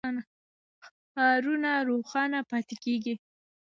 ښارونه روښانه پاتې کېږي.